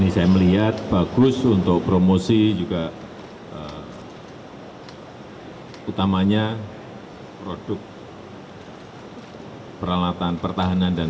saya melihat bagus untuk promosi juga utamanya produk peralatan pertahanan dan